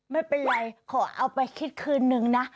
ไม่เป็นไรขอเอาไปคิดคืนนึงนะ